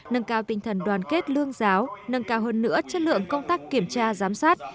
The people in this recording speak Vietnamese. nâng cao tinh thần đoàn kết lương giáo nâng cao hơn nữa chất lượng công tác kiểm tra giám sát